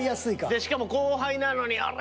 でしかも後輩なのにおら！